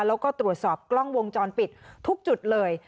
แล้วก็ตรวจสอบกล้องวงจรปิดทุกจุดเลย